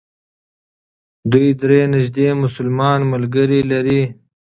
دوی درې نژدې مسلمان ملګري لري.